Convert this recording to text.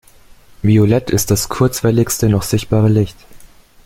Violett ist das kurzwelligste noch sichtbare Licht.